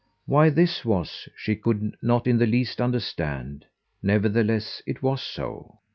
Why this was she could not in the least understand; nevertheless it was so.